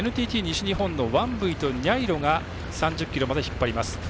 ＮＴＴ西日本のワンブィとニャイロが３０ｋｍまで引っ張ります。